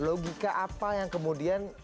logika apa yang kemudian